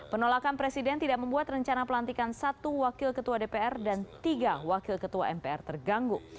penolakan presiden tidak membuat rencana pelantikan satu wakil ketua dpr dan tiga wakil ketua mpr terganggu